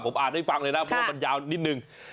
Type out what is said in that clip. ผมอ่านให้ฟังเลยนะเพราะว่ามันยาวนิดนึง